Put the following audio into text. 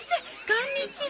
こんにちは。